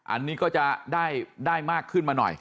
อันนี้ก็จะได้มากขึ้นมาหน่อย